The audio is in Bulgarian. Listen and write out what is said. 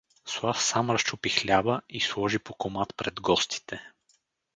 Слав сам разчупи хляба и сложи по комат пред гостите.